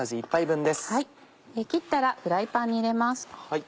切ったらフライパンに入れます。